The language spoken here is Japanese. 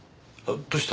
どうした？